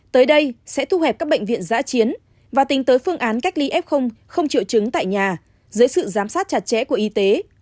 tới đây sẽ thu hẹp các bệnh viện giã chiến và tính tới phương án cách ly f không triệu chứng tại nhà dưới sự giám sát chặt chẽ của y tế